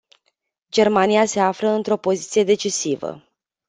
Germania se află într-o poziție decisivă.